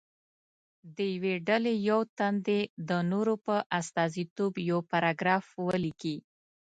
د یوې ډلې یو تن دې د نورو په استازیتوب یو پاراګراف ولیکي.